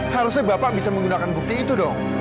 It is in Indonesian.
harusnya bapak bisa menggunakan bukti itu dong